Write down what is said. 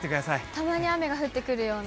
たまに雨が降ってくるような？